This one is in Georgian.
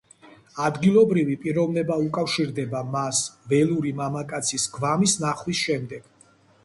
ადგილობრივი პიროვნება უკავშირდება მას, ველური მამაკაცის გვამის ნახვის შემდეგ.